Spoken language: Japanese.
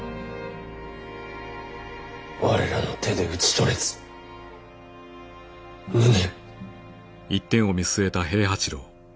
我らの手で討ち取れず無念。